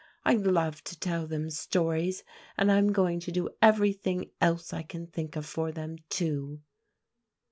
I love to tell them stories, and I'm going to do everything else I can think of for them too."